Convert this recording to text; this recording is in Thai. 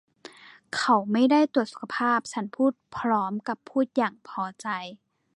'เขาไม่ได้ตรวจสุขภาพ' ฉันพูดพร้อมกับพูดอย่างพอใจ